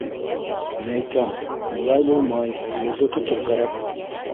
Мәйтәм, былай булмай, бурҙы тотор кәрәк!